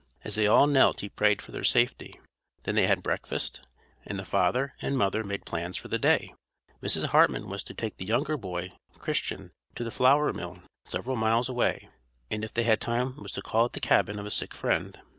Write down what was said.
As they all knelt he prayed for their safety. Then they had breakfast, and the father and mother made plans for the day. Mrs. Hartman was to take the younger boy, Christian, to the flour mill several miles away, and if they had time was to call at the cabin of a sick friend.